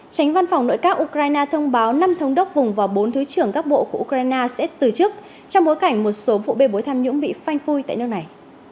tránh văn phòng nội các ukraine thông báo năm thống đốc vùng và bốn thứ trưởng các bộ của ukraine sẽ từ chức trong bối cảnh một số vụ bê bối tham nhũng bị phanh phui tại nước này